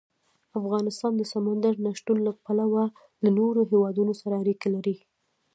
افغانستان د سمندر نه شتون له پلوه له نورو هېوادونو سره اړیکې لري.